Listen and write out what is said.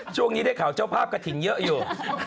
ช่วงนี้ได้ข่าวเจ้าภาพกระถิ่นเยอะอยู่